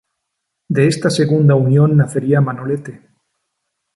De esta segunda unión nacería "Manolete.